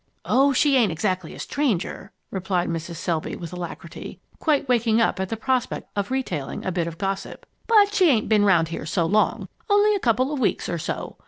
"Oh, she ain't exactly a stranger," replied Mrs. Selby with alacrity, quite waking up at the prospect of retailing a bit of gossip; "But she ain't been around here so long only a couple of weeks or so.